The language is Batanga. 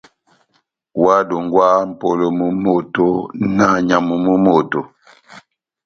Óhádongwaha mʼpolo mú moto na nyamu mú moto.